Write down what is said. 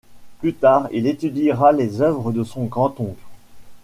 Plus tard, il éditera les œuvres de son grand-oncle.